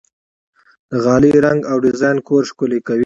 د غالۍ رنګ او ډیزاین کور ښکلی کوي.